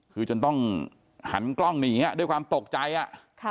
คือจนต้องหันกล้องหนีด้วยความตกใจอ่ะค่ะ